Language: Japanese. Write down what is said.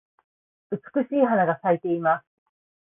美しい花が咲いています。